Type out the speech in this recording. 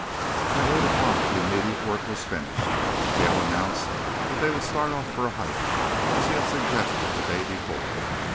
By eight o'clock the immediate work was finished. Cale announced that they would start off for a hike, as he had suggested the day before.